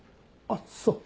あっそう。